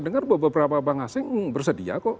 dengar beberapa bank asing bersedia kok